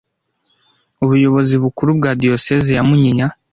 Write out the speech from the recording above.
Ubuyobozi bukuru bwa Diyosezi ya munyinya